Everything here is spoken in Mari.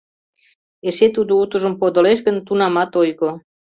Эше тудо утыжым подылеш гын — тунамат ойго.